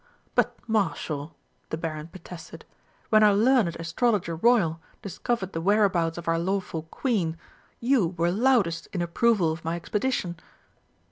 "But, Marshal," the Baron protested, "when our learned Astrologer Royal discovered the whereabouts of our lawful Queen, you were loudest in approval of my expedition!"